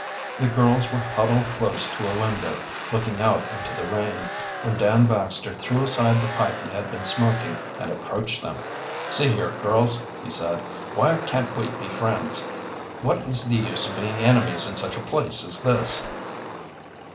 The girls were huddled close to a window, looking out into the rain, when Dan Baxter threw aside the pipe he had been smoking and approached them. "See here, girls," he said, "why can't we be friends? What is the use of being enemies in such a place as this?"